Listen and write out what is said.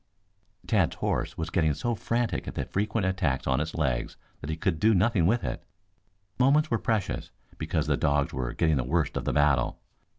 Tad's horse was getting so frantic at the frequent attacks on its legs that he could do nothing with it. Moments were precious because the dogs were getting the worst of the battle.